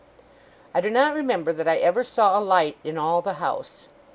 I do not remember that I ever saw a light in all the house.